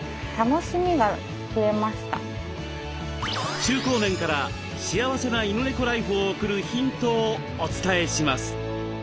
中高年から幸せな犬猫ライフを送るヒントをお伝えします。